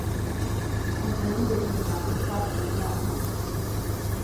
Hocanın dediğini yap, yaptığını yapma.